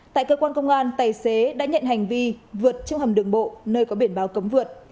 tại cơ quan công an tài xế đã nhận hành vi vượt trong hầm đường bộ nơi có biển báo cấm vượt